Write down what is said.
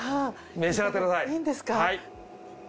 召し上がってください。